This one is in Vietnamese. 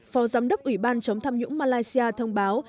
phó giám đốc ủy ban chống tham nhũng malaysia thông báo